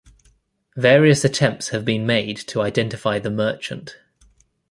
Various attempts have been made to identify the merchant.